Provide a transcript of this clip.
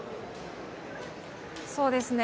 そうですね。